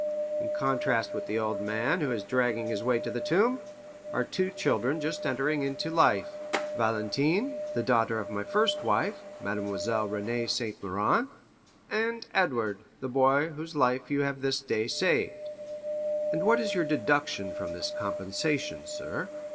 In contrast with the old man, who is dragging his way to the tomb, are two children just entering into life—Valentine, the daughter by my first wife—Mademoiselle Renée de Saint Méran—and Edward, the boy whose life you have this day saved." "And what is your deduction from this compensation, sir?"